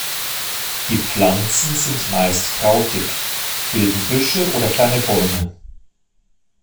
Die Pflanzen sind meist krautig, bilden Büsche oder kleine Bäume.